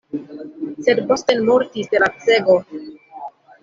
Sed Bosten mortis de lacego.